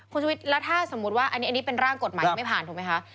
คุณชุวิตแล้วถ้าสมมุติว่าอันนี้เป็นร่างกฎหมายยังไม่ผ่านถูกไหมคะ